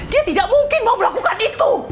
dia tidak mungkin mau melakukan itu